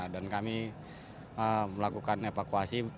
dan kami melakukan evakuasi